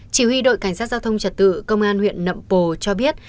chỉ huy đội cảnh sát giao thông trật tự công an huyện nậm pồ cho biết